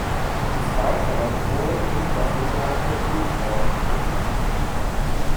Des Weiteren wurde ihm der sogenannte „Blutorden“ verliehen.